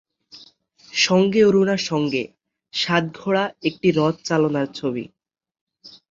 সঙ্গে অরুণা সঙ্গে, সাত ঘোড়া একটি রথ চালনার ছবি।